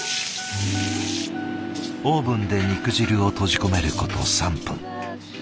オーブンで肉汁を閉じ込めること３分。